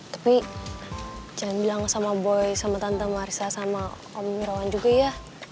tapi jangan bilang sama boy sama tante marisa sama om irawan juga ya